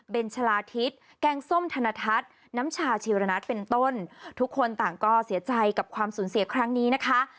เป็นชาลาทิศแกงส้มธนทัศน์น้ำชาชีรณัทเป็นต้นทุกคนต่างก็เสียใจกับความสูญเสียครั้งนี้นะคะ